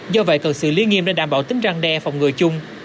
do vậy cần sự liên nghiêm để đảm bảo tính răng đe phòng người chung